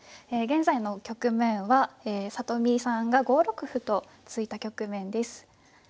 現在の局面は里見さんが５六歩と突いた局面です。